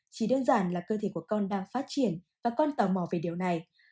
chỉ đơn giản là cơ thể của con đang phát triển và con tò mò về điều này